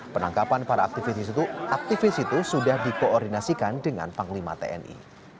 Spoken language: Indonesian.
penangkapan para aktivis itu sudah dikoordinasikan dengan panglima tni